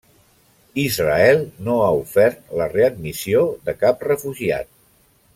Israel no ha ofert la readmissió de cap refugiat.